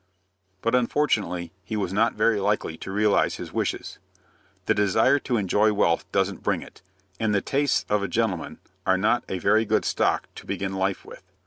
But, unfortunately, he was not very likely to realize his wishes. The desire to enjoy wealth doesn't bring it, and the tastes of a gentleman are not a very good stock to begin life with.